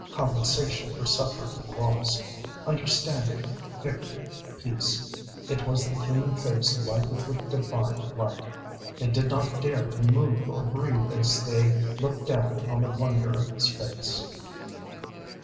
Compensation for suffering and loss understanding, victory, peace; it was the human face lighted with divine light. They did not dare to move or breathe as they looked upon the wonder of his face.